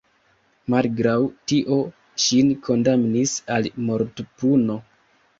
Malgraŭ tio ŝin kondamnis al mortpuno.